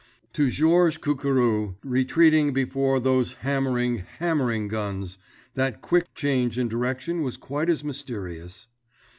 To Georges Cucurou, retreating before those hammering, hammering guns, that quick change in direction was quite as mysterious.